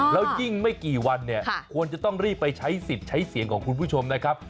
แล้วยิ่งไม่กี่วันเนี่ยควรจะต้องรีบไปใช้สิทธิ์ใช้เสียงของคุณผู้ชมนะครับ